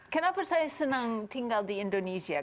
kenapa saya senang tinggal di indonesia